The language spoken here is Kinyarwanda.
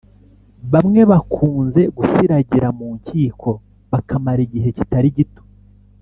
Bamwe bakunze gusiragira mu nkiko bakamara igihe kitari gito